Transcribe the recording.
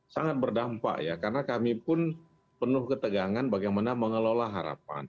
sangat berdampak ya karena kami pun penuh ketegangan bagaimana mengelola harapan